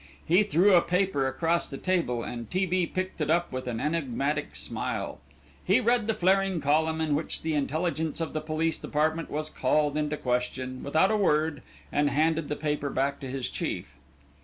He threw a paper across the table, and T. B. picked it up with an enigmatic smile. He read the flaring column in which the intelligence of the police department was called into question, without a word, and handed the paper back to his chief.